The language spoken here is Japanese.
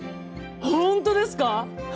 本当ですか？